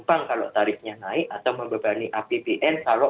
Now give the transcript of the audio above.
itu bisa melompat dengan tinggi sehingga itu akan nanti bisa membebani penunjuk